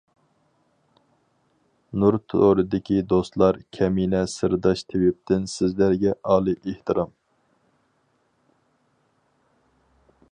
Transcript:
نۇر تورىدىكى دوستلار كەمىنە سىرداش تېۋىپتىن سىزلەرگە ئالىي ئېھتىرام!